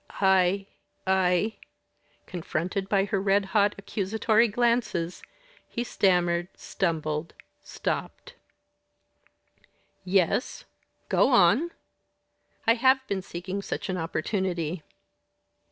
"I I " Confronted by her red hot accusatory glances, he stammered, stumbled, stopped. "Yes? go on." "I have been seeking such an opportunity."